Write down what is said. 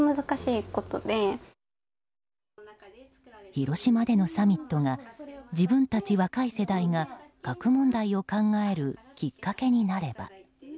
広島でのサミットが自分たち若い世代が核問題を考えるきっかけになれば。